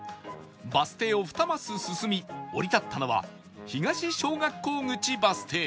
バス停を２マス進み降り立ったのは東小学校口バス停